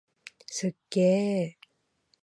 すっげー！